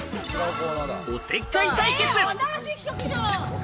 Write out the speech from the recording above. おせっかい採血！